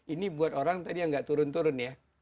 ini buat orang tadi yang nggak turun turun ya